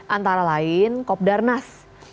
antara lain kop darnas